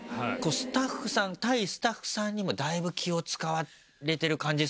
スタッフさん対スタッフさんにもだいぶ気を使われてる感じですね。